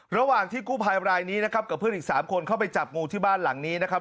ระหว่างที่กู้ภัยรายนี้นะครับกับเพื่อนอีก๓คนเข้าไปจับงูที่บ้านหลังนี้นะครับ